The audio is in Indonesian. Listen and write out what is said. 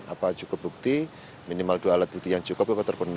apa cukup bukti minimal dua alat bukti yang cukup